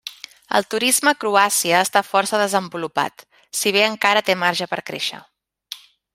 El turisme a Croàcia està força desenvolupat, si bé encara té marge per créixer.